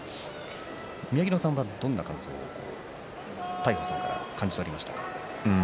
宮城野さんは、どんな感想を大鵬さんから感じておりましたか。